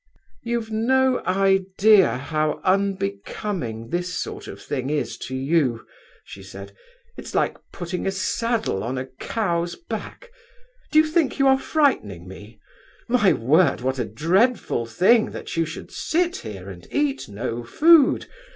'You've no idea how unbecoming this sort of thing is to you,' she said, 'it's like putting a saddle on a cow's back. Do you think you are frightening me? My word, what a dreadful thing that you should sit here and eat no food!